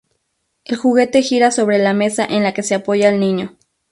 El juguete gira sobre la mesa en la que se apoya el niño.